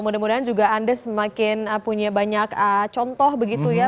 mudah mudahan juga anda semakin punya banyak contoh begitu ya